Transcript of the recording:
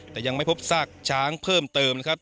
แต่ยังไม่พบซากช้างเพิ่มเติม